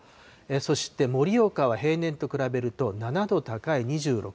そして盛岡は平年と比べると、７度高い２６度。